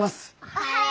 おはよう。